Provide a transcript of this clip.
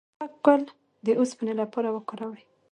د پالک ګل د اوسپنې لپاره وکاروئ